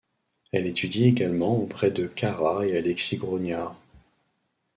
Elle étudie également auprès de Carra et Alexis Grognard.